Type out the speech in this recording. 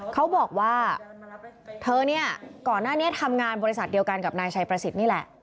เขาบอกว่าเธอเนี่ยก่อนหน้านี้ทำงานบริษัทเดียวกันกับนายชัยประสิทธิ์นี่แหละ